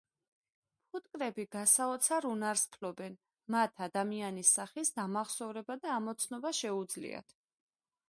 ფუტკრები გასაოცარ უნარს ფლობენ – მათ ადამიანების სახის დამახსოვრება და ამოცნობა შეუძლიათ.